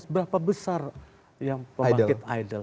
berapa besar yang pembangkit idol